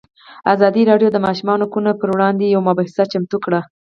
ازادي راډیو د د ماشومانو حقونه پر وړاندې یوه مباحثه چمتو کړې.